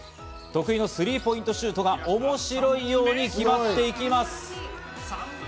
得意のスリーポイントが面白いように決まっていきます。